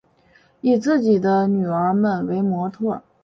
以自己女儿们为模特儿